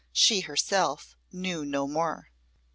She herself knew no more.